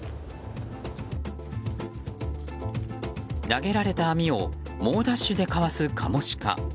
投げられた網を猛ダッシュでかわすカモシカ。